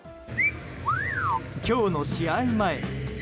今日の試合前。